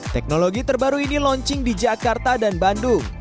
teknologi terbaru ini launching di jakarta dan bandung